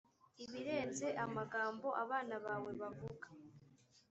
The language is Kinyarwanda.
ibirenze amagambo abana bawe bavuga